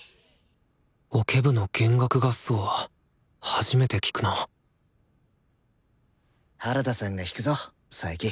オケ部の弦楽合奏は初めて聴くな原田さんが弾くぞ佐伯。